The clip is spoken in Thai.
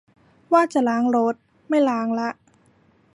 ว่าจะล้างรถ ไม่ล้างละ